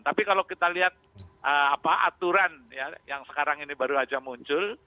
tapi kalau kita lihat apa aturan ya yang sekarang ini baru aja muncul